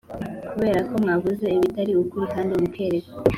Kubera ko mwavuze ibitari ukuri kandi mukerekwa